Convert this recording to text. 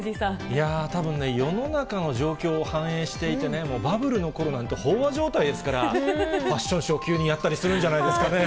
いやー、たぶんね、世の中の状況を反映していてね、もうバブルのころなんて、飽和状態ですから、ファッションショーを急にやったりするんじゃないですかね。